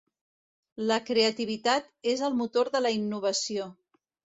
La creativitat és el motor de la innovació.